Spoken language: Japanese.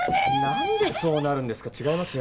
何でそうなるんですか違いますよ。